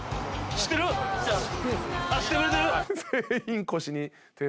知ってくれてる？